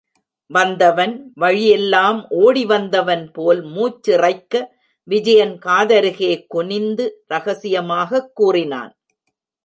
வந்தவன், வழியெல்லாம் ஒடி வந்த வன் போல் மூச்சிறைக்க, விஜயன் காதருகே குனிந்து ரகசியமாகக் கூறினான்.